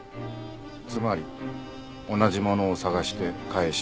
つまり同じものを探して返したいと？